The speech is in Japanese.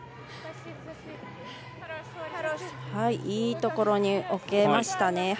いいところに置けましたね。